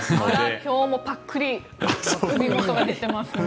今日もぱっくり首元が出ていますね。